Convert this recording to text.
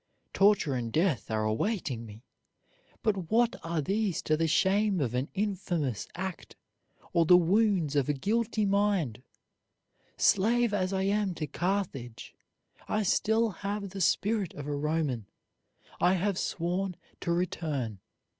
Torture and death are awaiting me, but what are these to the shame of an infamous act, or the wounds of a guilty mind? Slave as I am to Carthage, I still have the spirit of a Roman. I have sworn to return.